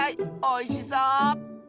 おいしそう！